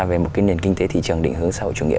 về một cái nền kinh tế thị trường định hướng sau chủ nghĩa